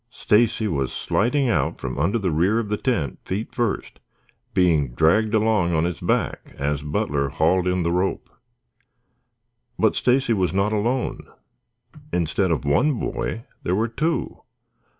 Stacy was sliding out from under the rear of the tent feet first, being dragged along on his back as Butler hauled in on the rope. But Stacy was not alone. Instead of one boy there were two.